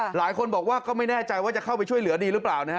หลายคนบอกว่าก็ไม่แน่ใจว่าจะเข้าไปช่วยเหลือดีหรือเปล่านะฮะ